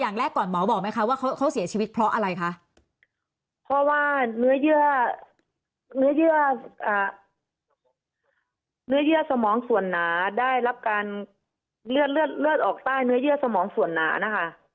เนื้อเยื่อสมองส่วนหนาได้รับการเลือดออกใต้เนื้อเยื่อสมองส่วนหนานะคะ